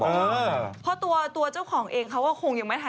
มดดดไปเจอเงินในกระบอมปงเกงหรอคะ